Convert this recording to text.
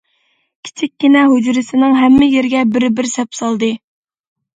كىچىككىنە ھۇجرىسىنىڭ ھەممە يېرىگە بىر- بىر سەپسالدى.